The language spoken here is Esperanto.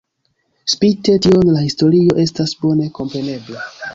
Spite tion la historio estas bone komprenebla.